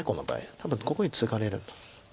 多分ここへツガれる。